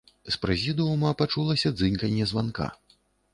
З прэзідыума пачулася дзынканне званка.